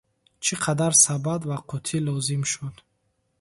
Чӣ қадар сабад ва қуттӣ лозим шуд?